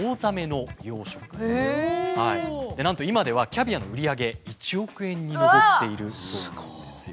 なんと今ではキャビアの売り上げ１億円に上っているそうなんですよ。